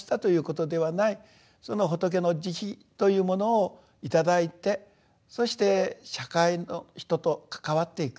その仏の慈悲というものを頂いてそして社会の人と関わっていく。